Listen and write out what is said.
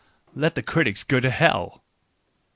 ... Let the critics go to hell !